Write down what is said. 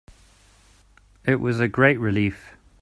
It was a great relief